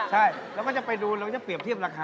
ใช่เราก็จะไปดูเราก็จะเปรียบเทียบราคา